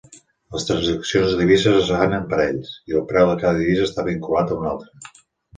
Les transaccions de divises es fan en parells, i el preu de cada divisa està vinculat a una altra.